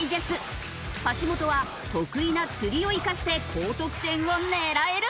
橋本は得意な釣りを生かして高得点を狙えるか？